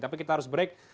tapi kita harus break